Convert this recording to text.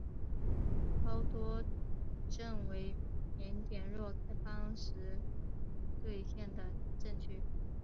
包多镇为缅甸若开邦实兑县的镇区。